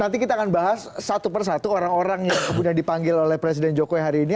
nanti kita akan bahas satu persatu orang orang yang kemudian dipanggil oleh presiden jokowi hari ini